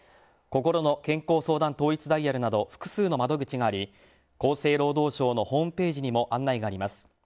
こころの健康相談統一ダイヤルなど、複数の窓口があり厚生労働省のホームページにも案内があります。